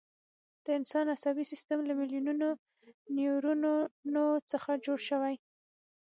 د انسان عصبي سیستم له میلیونونو نیورونونو څخه جوړ شوی دی.